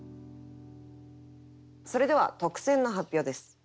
それでは特選の発表です。